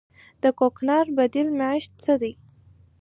د کوکنارو بدیل معیشت څه دی؟